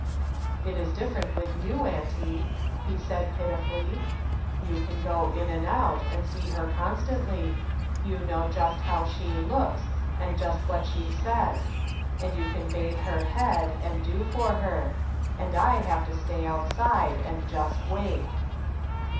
" It is different with you, auntie," he said pitifully. "You can go in and out, and see her constantly. You know just how she looks, and just what she says ; and you can bathe her head, and do for her ; and I have to stay outside, and just wait."